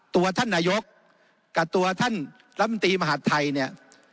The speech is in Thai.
ตัวท่านนายกกับตัวท่านรัฐมนตรีมหาดไทยเนี่ย